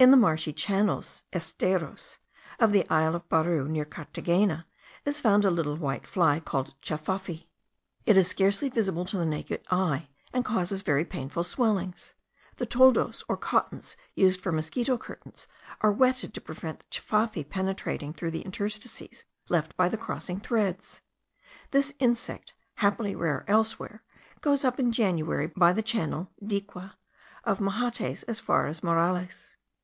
In the marshy channels (esteros) of the isle of Baru, near Carthagena, is found a little white fly called cafafi. It is scarcely visible to the naked eye, and causes very painful swellings. The toldos or cottons used for mosquito curtains, are wetted to prevent the cafafi penetrating through the interstices left by the crossing threads. This insect, happily rare elsewhere, goes up in January, by the channel (dique) of Mahates, as far as Morales.